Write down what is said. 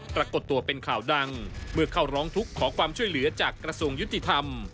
ปรากฏตัวเป็นข่าวดังเมื่อเข้าร้องทุกข์ขอความช่วยเหลือจากกระทรวงยุติธรรม